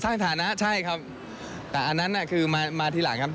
สร้างฐานะใช่ครับแต่อันนั้นคือมาทีหลังครับ